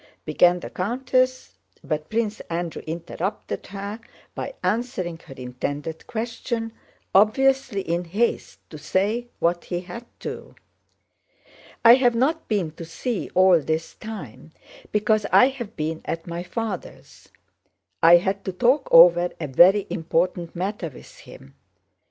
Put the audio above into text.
began the countess, but Prince Andrew interrupted her by answering her intended question, obviously in haste to say what he had to. "I have not been to see you all this time because I have been at my father's. I had to talk over a very important matter with him.